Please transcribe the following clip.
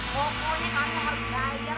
pokoknya karena harus bayar